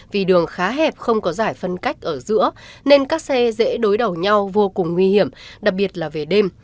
vì đường khá hẹp không có giải phân cách ở giữa nên các xe dễ đối đầu nhau vô cùng nguy hiểm đặc biệt là về đêm